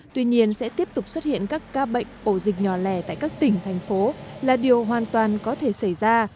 tuy nhiên sẽ tiếp tục xuất hiện các ca bệnh ổ dịch nhỏ lẻ tại các tỉnh thành phố là điều hoàn toàn có thể xảy ra